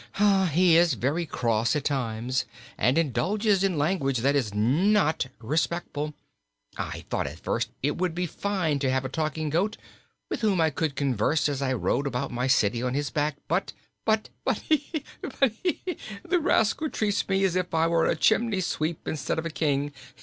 "He is very cross at times, and indulges in language that is not respectful. I thought, at first, it would be fine to have a talking goat, with whom I could converse as I rode about my city on his back; but keek eek eek eek! the rascal treats me as if I were a chimney sweep instead of a King.